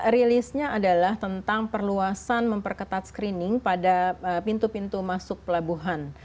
rilisnya adalah tentang perluasan memperketat screening pada pintu pintu masuk pelabuhan